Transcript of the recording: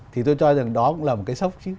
thì tôi cho rằng đó cũng là một cái sốc chứ